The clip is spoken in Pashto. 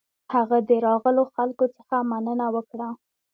هغه د راغلو خلکو څخه مننه وکړه.